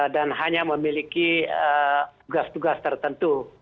dan hanya memiliki tugas tugas tertentu